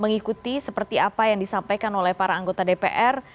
mengikuti seperti apa yang disampaikan oleh para anggota dpr